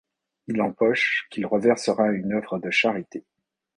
Il empoche qu'il reversera à une œuvre de charité.